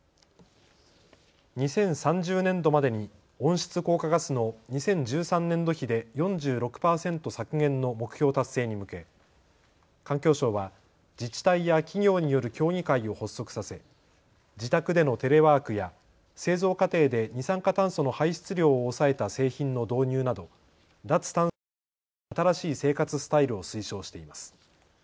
２０３０年度までに温室効果ガスの２０１３年度比で４６％削減の目標達成に向け環境省は自治体や企業による協議会を発足させ自宅でのテレワークや製造過程で二酸化炭素の排出量を抑えた製品の導入など脱炭素につながる新しい生活スタイルを推奨しています。